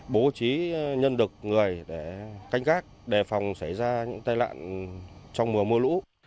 bố trí nhân đực người để canh gác đề phòng xảy ra những tai lạn trong mùa mưa lũ